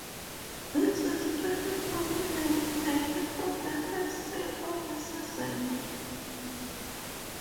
This is strictly forbidden in the case of the first seal of the season.